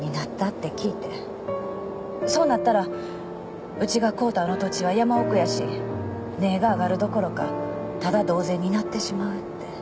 そうなったらうちが買うたあの土地は山奥やし値が上がるどころかタダ同然になってしまうって。